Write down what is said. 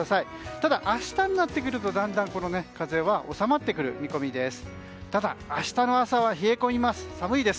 ただ、明日になると、だんだん風は収まってくる見込みです。